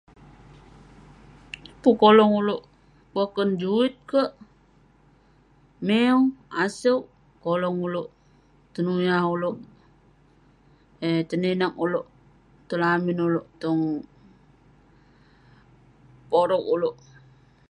Pun kolong ulouk boken, juit kek, meow, asouk. Kolong ulouk, tenuyah ulouk eh teninak ulouk, tong lamin ulouk, tong porog ulouk.